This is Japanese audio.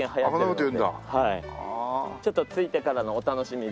ちょっと着いてからのお楽しみで。